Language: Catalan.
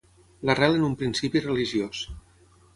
L'arrel en un principi religiós.